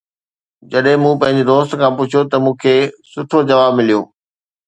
جڏهن مون پنهنجي دوست کان پڇيو ته مون کي سٺو جواب مليو